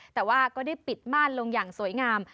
แต่ว่าก็ได้ปิดม่านลงอย่างสวยงาม